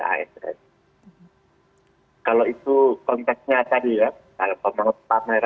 kalau pemerintah pameran kekayaan maupun kata maupun juga perilaku perilaku yang tidak layaknya dan bertentangan dengan norma norma usum maupun norma norma